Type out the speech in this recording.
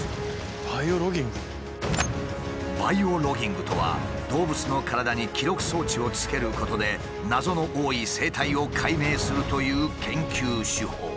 「バイオロギング」とは動物の体に記録装置をつけることで謎の多い生態を解明するという研究手法。